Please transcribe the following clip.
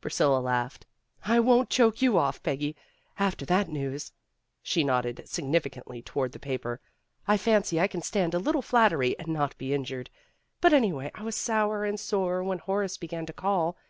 Priscilla laughed. "I won't choke you off, Peggy. After that news " she nodded sig nificantly toward the paper. "I fancy I can stand a little flattery and not be injured. But anyway I was sour and sore when Horace began to call.